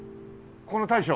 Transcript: ここの大将。